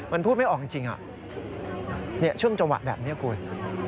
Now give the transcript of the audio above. มันพูดไม่ออกจริงช่วงจังหวะแบบนี้คุณ